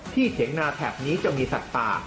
ที่เทคนาแถบนี้จะมีสัตว์ป่า